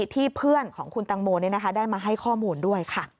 เพื่อนของคุณตังโมได้มาให้ข้อมูลด้วยค่ะ